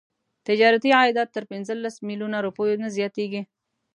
تجارتي عایدات تر پنځلس میلیونه روپیو نه زیاتیږي.